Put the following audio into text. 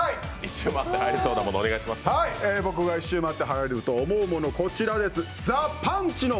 僕が一周回ってはやると思うもの、こちらです。